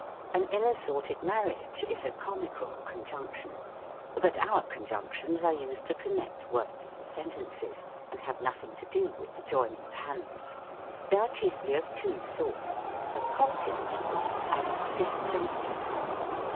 An ill assoi'ted marriage is ^/.■:k>i A COMICAL CONJUNCTION. ETYMOLOGY. 67 But our conjunctions are used to connect words and sentences, and have nothing to do wi'„h the joining of hands. They are chiefly of two sorts, the Copulative and Disjunctive.